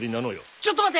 ちょっと待て。